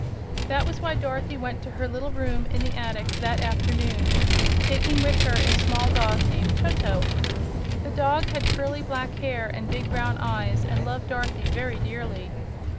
That was why Dorothy went to her little room in the attic that afternoon, taking with her a small dog named Toto. The dog had curly black hair and big brown eyes and loved Dorothy very dearly.